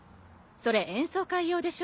それ演奏会用でしょ？